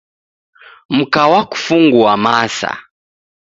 Mka wakufungua masa.